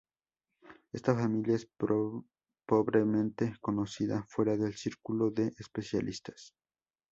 Esta familia es pobremente conocida fuera del círculo de especialistas.